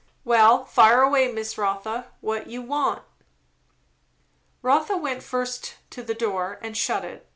Well, fire away, Miss Rotha. What you want?" Rotha went first to the door and shut it.